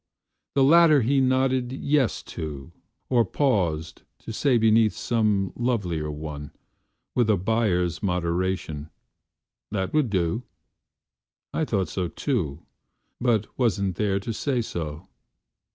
The latter he nodded "Yes" to, Or paused to say beneath some lovelier one, With a buyer's moderation, "That would do."I thought so too, but wasn't there to say so.